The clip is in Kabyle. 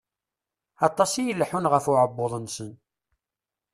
Aṭas i ileḥḥun ɣef uεebbuḍ-nsen.